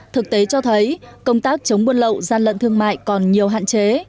thực tế cho thấy công tác chống buôn lậu gian lận thương mại còn nhiều hạn chế